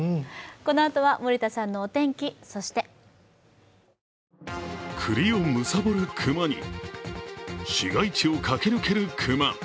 このあとは森田さんのお天気、そしてくりをむさぼる熊に、市街地を駆け抜ける熊。